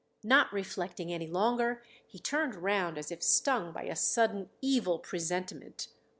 Not reflecting any longer, he turned around as if stung by a sudden evil presentiment.